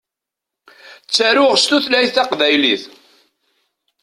Ttaruɣ s tutlayt taqbaylit.